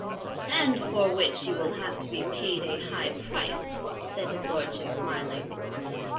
"And for which you will have to be paid a high price," said his lordship, smiling.